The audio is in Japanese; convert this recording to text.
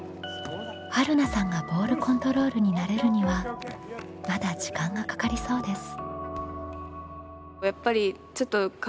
はるなさんがボールコントロールに慣れるにはまだ時間がかかりそうです。